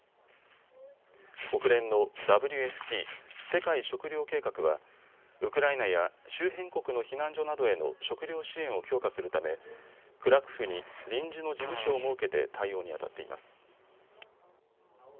国連のＷＦＰ・世界食糧計画はウクライナや周辺国の避難所などへの食料支援を強化するためクラクフに臨時の事務所を設けて対応にあたっています。